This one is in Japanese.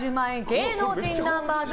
芸能人ナンバーズ！